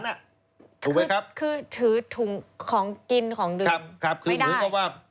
ถูกไหมครับไม่ได้คือถือถุงของกินของดื่ม